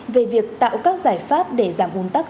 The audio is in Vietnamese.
về việc tạo các giải pháp để giảm uốn tắc